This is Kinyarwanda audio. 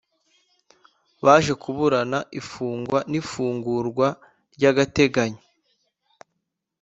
baje kuburana ifungwa n’ifungurwa ry’agateganyo